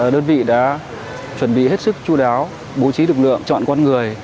đơn vị đã chuẩn bị hết sức chú đáo bố trí lực lượng chọn con người